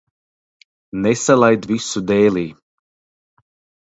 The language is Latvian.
Nesalaid visu dēlī.